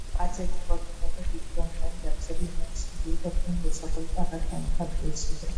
পাঁচালি কথকতা কীর্তনগান যাত্রাভিনয়ের সুদীর্ঘ খণ্ডসকল তাহার কণ্ঠাগ্রে ছিল।